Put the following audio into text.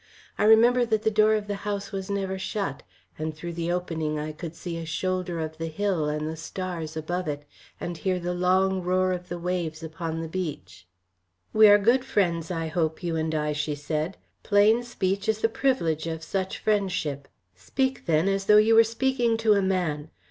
I remember that the door of the house was never shut, and through the opening I could see a shoulder of the hill and the stars above it, and hear the long roar of the waves upon the beach. "We are good friends, I hope, you and I," she said. "Plain speech is the privilege of such friendship. Speak, then, as though you were speaking to a man.